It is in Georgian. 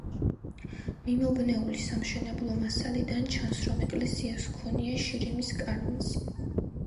მიმობნეული სამშენებლო მასალიდან ჩანს, რომ ეკლესიას ჰქონია შირიმის კარნიზი.